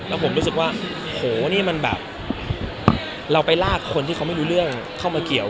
แล้วผมรู้สึกว่าโหนี่มันแบบเราไปลากคนที่เขาไม่รู้เรื่องเข้ามาเกี่ยว